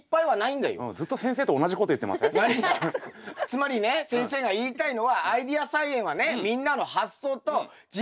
つまりね先生が言いたいのはアイデア菜園はね